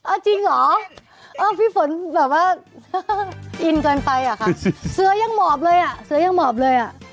จริงเหรอเออพี่ฝนแบบว่าอินเกินไปอ่ะค่ะเสื้อยังหมอบเลยอ่ะเสื้อยังหมอบเลยอ่ะ